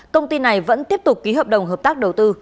công ty này vẫn tiếp tục ký hợp đồng hợp tác đầu tư